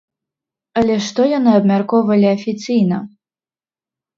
Але што яны абмяркоўвалі афіцыйна?